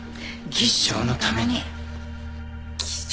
技師長のために。